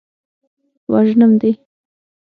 وژنم دې.